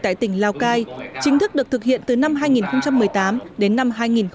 tại tỉnh lào cai chính thức được thực hiện từ năm hai nghìn một mươi tám đến năm hai nghìn một mươi chín